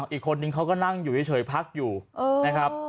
อีกคนนึงเขาก็นั่งอยู่เฉยพักอยู่นะครับ